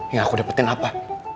yang aku dapetin apa